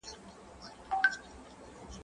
پاکوالي وساته!؟